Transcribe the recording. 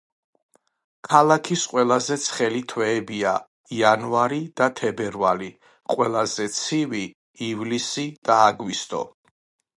ქალაქის ყველაზე ცხელი თვეებია იანვარი და თებერვალი, ყველაზე ცივი ივლისი და აგვისტო.